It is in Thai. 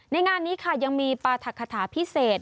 ในงานนี้ค่ะยังมีประถักฐาพิเศษ